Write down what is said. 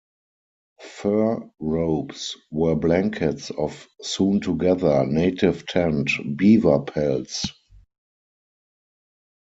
Fur robes were blankets of sewn-together, native-tanned, beaver pelts.